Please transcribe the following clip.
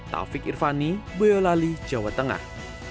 taufik irvani boyolali jawa tengah